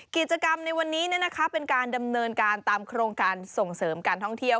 กิจกรรมในวันนี้เป็นการดำเนินการตามโครงการส่งเสริมการท่องเที่ยว